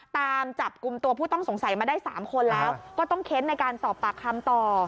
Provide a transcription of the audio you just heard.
ตามจับกลุ่มตัวผู้ต้องสงสัยมาได้๓คนแล้วก็ต้องเค้นในการสอบปากคำต่อ